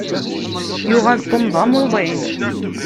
Yuɣal Tom d amuḍin.